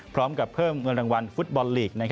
พร้อมกับเพิ่มเงินรางวัลฟุตบอลลีก